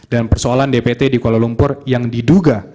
dan persoalan dpt di kuala lumpur yang diduga